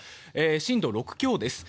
震度６強です。